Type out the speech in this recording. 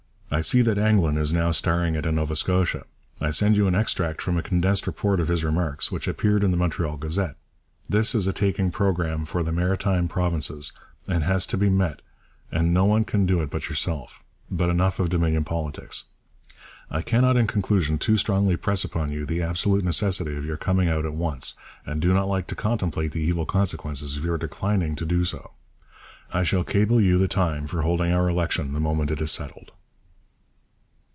I see that Anglin is now starring it in Nova Scotia. I send you an extract from a condensed report of his remarks which appeared in the Montreal Gazette. This is a taking programme for the Maritime Provinces and has to be met, and no one can do it but yourself. But enough of Dominion politics. I cannot in conclusion too strongly press upon you the absolute necessity of your coming out at once, and do not like to contemplate the evil consequences of your declining to do so. I shall cable you the time for holding our election the moment it is settled.